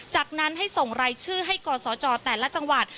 จากนั้นให้ส่งรายชื่อให้กศจแต่ละจังหวัด